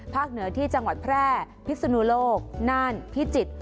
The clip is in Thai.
เหนือที่จังหวัดแพร่พิศนุโลกน่านพิจิตร